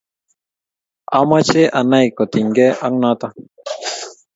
Amache anai kotinyke ak notok